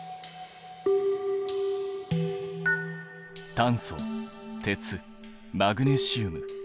炭素鉄マグネシウム。